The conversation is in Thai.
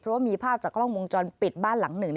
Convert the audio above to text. เพราะว่ามีภาพจากกล้องวงจรปิดบ้านหลังหนึ่ง